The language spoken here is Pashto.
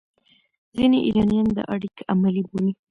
ځینې ایرانیان دا اړیکه عملي بولي.